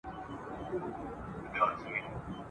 د ځنګله شهنشاه پروت وو لکه مړی !.